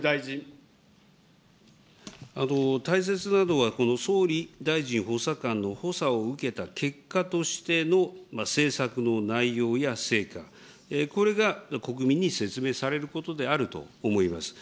大切なのは、総理大臣補佐官の補佐を受けた結果としての政策の内容や成果、これが国民に説明されることであると思います。